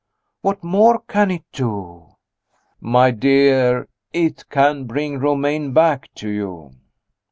"What more can it do?" "My dear, it can bring Romayne back to you."